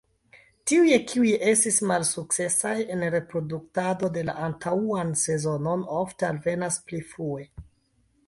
Tiuj kiuj estis malsukcesaj en reproduktado la antaŭan sezonon ofte alvenas pli frue.